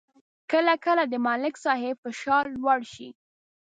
کله کله د ملک صاحب فشار لوړ شي